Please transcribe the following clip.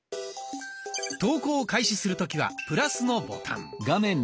投稿を開始する時はプラスのボタン。